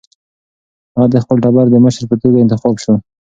هغه د خپل ټبر د مشر په توګه انتخاب شو.